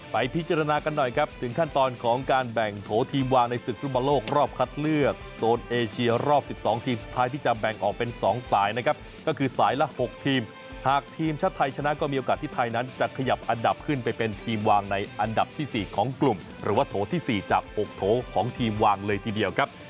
ไปพิจารณากันหน่อยครับถึงขั้นตอนของการแบ่งโถทีมวางในศึกธุมโลกรอบคัดเลือกโซนเอเชียรอบ๑๒ทีมสุดท้ายที่จะแบ่งออกเป็น๒สายนะครับ